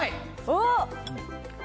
おっ。